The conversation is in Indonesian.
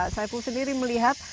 pak saiful sendiri melihat